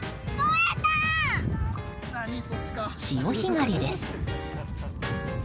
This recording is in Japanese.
潮干狩りです。